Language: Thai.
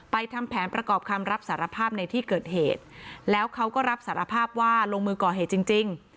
ทำแผนประกอบคำรับสารภาพในที่เกิดเหตุแล้วเขาก็รับสารภาพว่าลงมือก่อเหตุจริงจริง